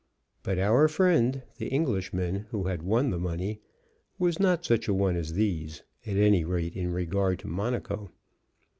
But our friend, the Englishman who had won the money, was not such a one as these, at any rate in regard to Monaco.